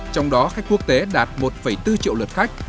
trong đó khách quốc tế đạt một bốn triệu lượt khách